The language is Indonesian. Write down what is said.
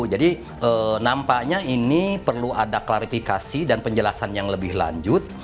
jadi nampaknya ini perlu ada klarifikasi dan penjelasan yang lebih lanjut